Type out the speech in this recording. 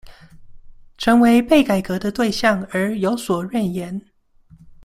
成為被改革的對象而有所怨言